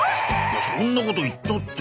そんなこと言ったって。